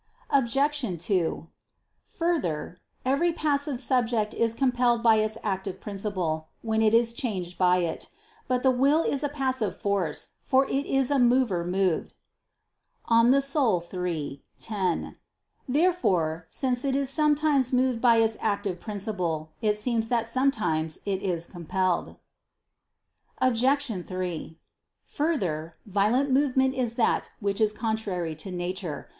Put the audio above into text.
Obj. 2: Further, every passive subject is compelled by its active principle, when it is changed by it. But the will is a passive force: for it is a "mover moved" (De Anima iii, 10). Therefore, since it is sometimes moved by its active principle, it seems that sometimes it is compelled. Obj. 3: Further, violent movement is that which is contrary to nature.